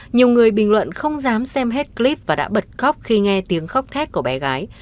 nhiều người bình luận không dám xem hết clip và đã bật khóc khi nghe tiếng khóc thét của bé gái